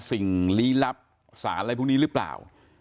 สิ่งลี้ลับสารอะไรพวกนี้หรือเปล่า